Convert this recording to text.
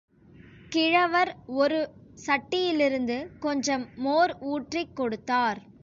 கிழவர் ஒரு சட்டியிலிருந்து கொஞ்சம் மோர் ஊற்றிக் கொடுத்தார்.